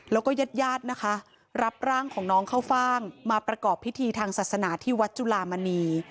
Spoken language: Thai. แล้วก็ญาติญาตินะคะรับร่างของน้องเข้าฟ่างมาประกอบพิธีทางศาสนาที่วัดจุลามณี